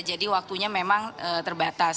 jadi waktunya memang terbatas